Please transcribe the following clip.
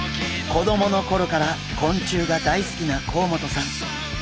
子どもの頃から昆虫が大好きな甲本さん。